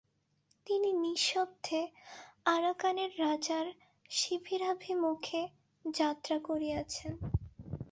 তিনি নিঃশব্দে আরাকানের রাজার শিবিরাভিমুখে যাত্রা করিয়াছেন।